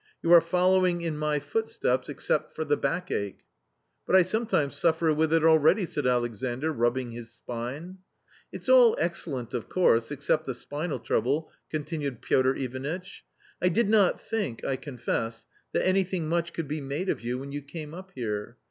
You are following in my steps except for the back ache." " But I sometimes suffer with it already/' said Alexandr, rubbing his spine. " It's all excellent, of course, except the spinal trouble," continued Piotr Ivanitch. " I did not think, I confess, that anything much could be made of you when you came up here.